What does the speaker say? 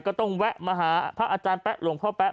แวะมาหาพระอาจารย์แป๊ะหลวงพ่อแป๊